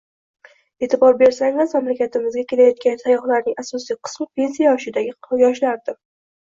E'tibor bersangiz, mamlakatimizga kelayotgan sayyohlarning asosiy qismi pensiya yoshidagi yoshlardir